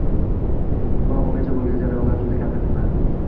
Biroq ungacha bo‘lgan jarayonlar juda katta mehnat.